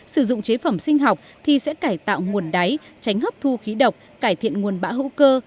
sử dụng chế phẩm sinh học thì sẽ cải tạo nguồn đáy tránh hấp thu khí độc cải thiện nguồn bã hữu cơ